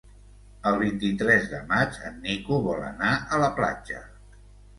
El vint-i-tres de maig en Nico vol anar a la platja.